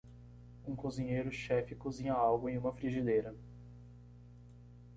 Um cozinheiro chefe cozinha algo em uma frigideira.